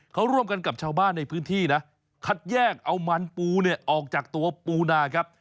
เขาร่วมกันกับชาวบ้านในพื้นที่นะคัดแยกเอามันปูเนี่ยออกจากตัวปูนาครับ